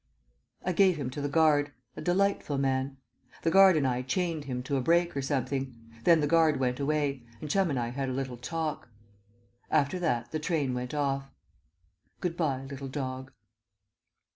I gave him to the guard a delightful man. The guard and I chained him to a brake or something. Then the guard went away, and Chum and I had a little talk.... After that the train went off. Good bye, little dog.